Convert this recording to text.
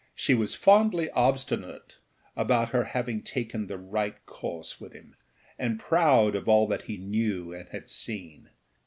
She was fondly obstinate about her having taken the right course with him, and proud of all that he knew and had seen.